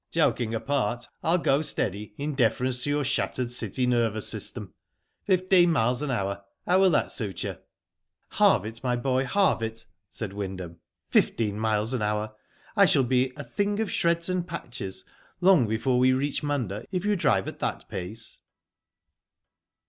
Joking apart, I'll go steady in deference to your shattered city nervous system. Fifteen miles an hour. How will that suit you?" " Halve it, my boy, halve it," said Wyndham. "Fifteen miles an hour! I shall be *a thing of shreds and patches,' long before we reach Munda, if you drive at that pace."